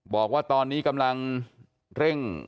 บอกว่าตอนนี้กำลังเร่ง